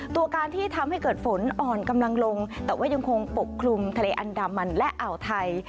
ตัวการที่ทำให้เกิดฝนอ่อนกำลังลงแต่ว่ายังคงปกคลุมทะเลอันดามันและอ่าวไทย